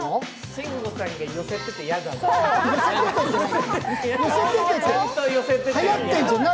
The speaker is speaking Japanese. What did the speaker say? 慎吾さんがよせてて嫌だな。